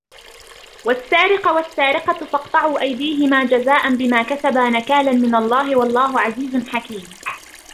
والسارق والسارقة فاقطعوا أيديهما جزاء بما كسبا نكالا من الله والله عزيز حكيم